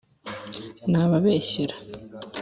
Nababeshyera